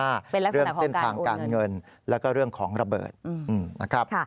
เรื่องเส้นทางการเงินแล้วก็เรื่องของระเบิดนะครับ